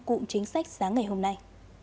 cụm chính sách sáng ngày hôm nay